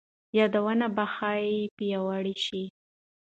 یادونه به ښايي پیاوړي شي.